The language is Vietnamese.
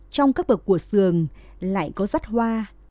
trong các bậc của sườn lại có rắt hoa